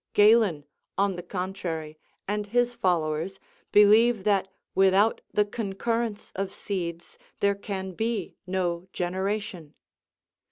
Galen, on the contrary, and his followers, believe that without the concurrence of seeds there can be no generation.